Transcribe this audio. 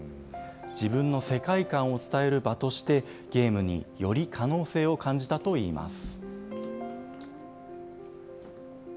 自分の世界観を伝える場として、ゲームにより可能性を感じたといいます。